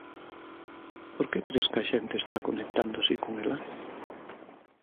Por que cres que a xente está conectando así con ela?